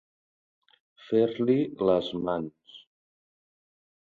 Fer-li les mans.